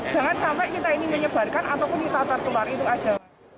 jangan sampai kita ingin menyebarkan ataupun kita tertular itu saja